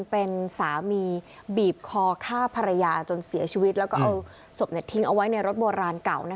เป็นสามีบีบคอฆ่าภรรยาจนเสียชีวิตแล้วก็เอาศพทิ้งเอาไว้ในรถโบราณเก่า